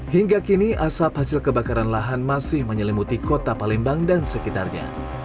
hingga kini asap hasil kebakaran lahan masih menyelimuti kota palembang dan sekitarnya